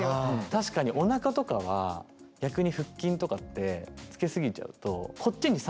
確かにおなかとかは逆に腹筋とかってつけすぎちゃうとああ！